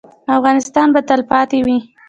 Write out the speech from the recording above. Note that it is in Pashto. افغانستان به تلپاتې وي